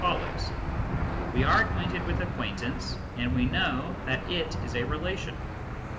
follows ; We are acquainted with acquaintance, and we know that it is a relation.